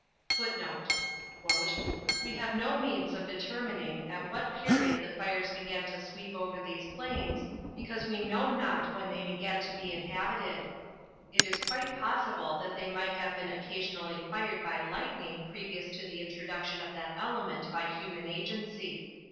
"We have no means of determining at what period the fires began to sweep over these plains, because we know not when they began to be inhabited. It is quite possible that they might have been occassionlly fired by lightning pre vious to the introduction of that element by human agency.